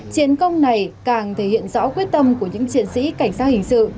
chiến công này càng thể hiện rõ quyết tâm của những chiến sĩ cảnh sát hình sự